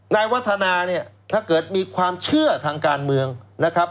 นายวัฒนาเนี่ยถ้าเกิดมีความเชื่อทางการเมืองนะครับ